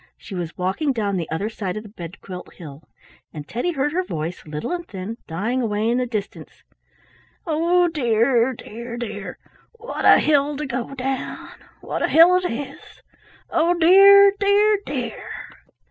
She was walking down the other side of the bedquilt hill, and Teddy heard her voice, little and thin, dying away in the distance: "Oh dear, dear, dear! What a hill to go down! What a hill it is! Oh dear, dear, dear!"